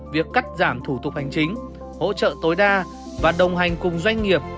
việc cắt giảm thủ tục hành chính hỗ trợ tối đa và đồng hành cùng doanh nghiệp